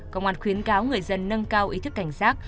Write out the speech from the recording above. công an khuyến cáo người dân nâng cao ý thức cảnh giác